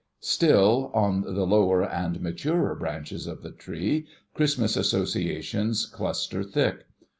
Still, on the lower and maturer branches of the Tree, Christmas associations cluster thick.